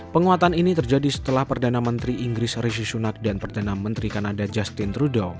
penguatan ini terjadi setelah perdana menteri inggris rishi sunak dan perdana menteri kanada justin trudeau